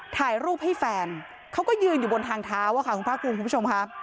ถ่ายรูปให้แฟนเขาก็ยืนอยู่บนทางเท้าค่ะคุณภาคภูมิคุณผู้ชมค่ะ